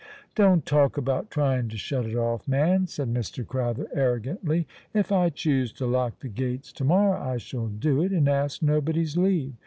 " Don't talk about trying to shut it off, man," said Mr. Crowther, arrogantly. "If I choose to lock the gates to morrow, I shall do it, and ask nobody's leave.